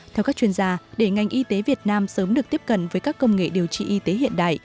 theo các chuyên gia để ngành y tế việt nam sớm được tiếp cận với các công nghệ điều trị y tế hiện đại